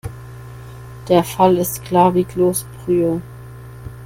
Der Fall ist klar wie Kloßbrühe.